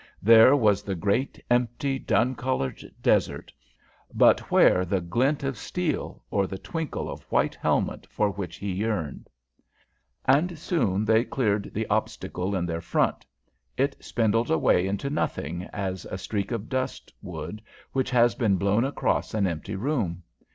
There was the great, empty, dun coloured desert, but where the glint of steel or the twinkle of white helmet for which he yearned? And soon they cleared the obstacle in their front. It spindled away into nothing, as a streak of dust would which has been blown across an empty room.